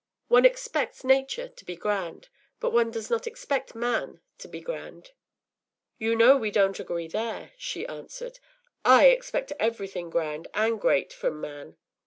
Once expects nature to be grand, but one does not expect man to be grand.” “You know we don’t agree there,” she answered. “_I_ expect everything grand and great from man.